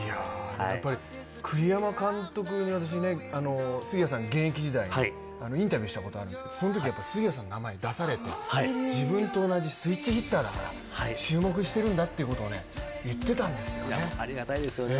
やっぱり栗山監督に私、杉谷さん現役のときにインタビューしたことあるんですけど、そのときに杉谷選手の名前出されて自分と同じスイッチヒッターだから注目してるんだということを言ってたんですよありがたいですよね